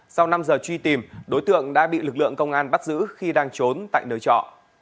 sau năm giờ truy tìm đối tượng đã bị lực lượng công an bắt giữ khi đang trốn tại nơi trọ